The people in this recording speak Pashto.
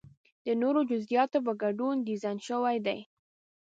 د نورو جزئیاتو په ګډون ډیزاین شوی دی.